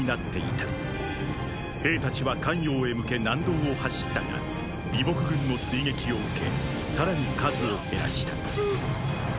兵たちは咸陽へ向け南道を走ったが李牧軍の追撃を受けさらに数を減らした。